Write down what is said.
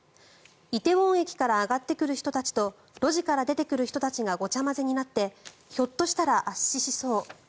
梨泰院駅から上がってくる人たちと路地から出てくる人たちがごちゃ混ぜになってひょっとしたら圧死しそう。